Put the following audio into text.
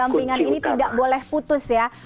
dan pendampingan ini tidak boleh putus ya